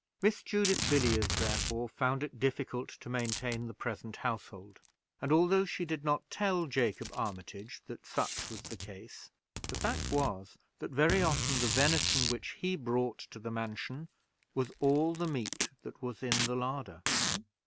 Miss Judith Villiers, therefore, found it difficult to maintain the present household; and although she did not tell Jacob Armitage that such was the case, the fact was, that very often the venison which he brought to the mansion was all the meat that was in the larder.